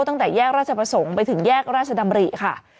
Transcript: ตั้งแต่แยกราชประสงค์ไปถึงแยกราชดำริค่ะ